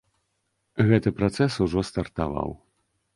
Гэты працэс ужо стартаваў.